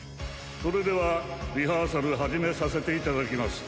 それではリハーサル始めさせていただきます。